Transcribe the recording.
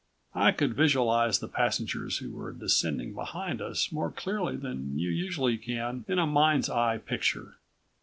I could visualize the passengers who were descending behind us more clearly than you usually can in a mind's eye picture.